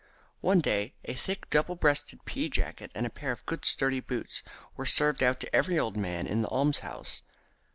One day a thick double breasted pea jacket and a pair of good sturdy boots were served out to every old man in the almshouse.